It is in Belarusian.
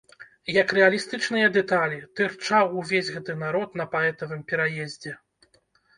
Як рэалістычныя дэталі, тырчаў увесь гэты народ на паэтавым пераездзе.